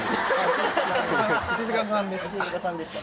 石塚さんでした？